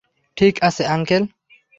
ঠিক আছে, আঙ্কেল।